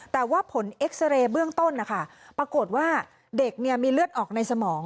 แต่ว่าผลเอ็กซาเรย์เบื้องต้นนะคะปรากฏว่าเด็กมีเลือดออกในสมอง